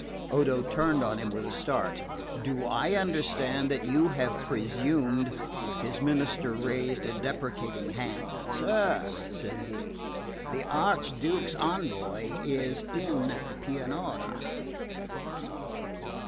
Odo turned on him with a start. "Do I understand that you have presumed ?" His minister raised a deprecating hand. "Sir," said he, "the Archduke's envoy is in Pianura."